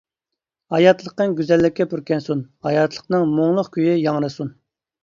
ھاياتلىقىڭ گۈزەللىككە پۈركەنسۇن، ھاياتلىقنىڭ مۇڭلۇق كۈيى ياڭرىسۇن.